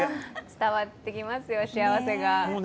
伝わってきますよ、幸せが。